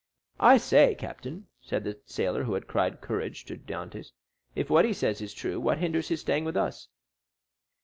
"I say, captain," said the sailor who had cried "Courage!" to Dantès, "if what he says is true, what hinders his staying with us?"